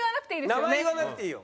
名前言わなくていいよ。